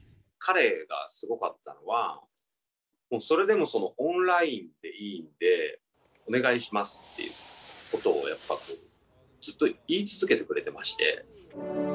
彼がすごかったのは、それでもオンラインでいいんでお願いしますってことを、やっぱずっと言い続けてくれてまして。